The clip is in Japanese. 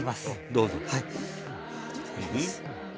どうぞ。